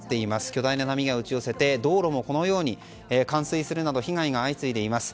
巨大な波が打ち寄せて道路も冠水するなど被害が相次いでいます。